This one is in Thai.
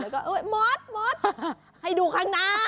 หมดหมดให้ดูข้างหน้า